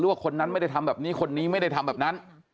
ว่าคนนั้นไม่ได้ทำแบบนี้คนนี้ไม่ได้ทำแบบนั้น